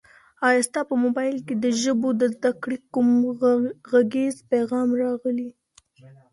ایا ستا په موبایل کي د ژبو د زده کړې کوم غږیز پیغام راغلی؟